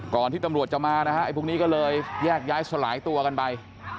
ที่ตำรวจจะมานะฮะไอ้พวกนี้ก็เลยแยกย้ายสลายตัวกันไป